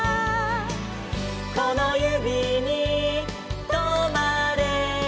「このゆびにとまれ」